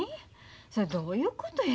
それどういうことや？